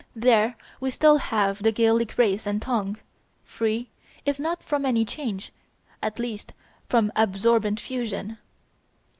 There we still have the Gaelic race and tongue, free, if not from any change, at least from absorbent fusion.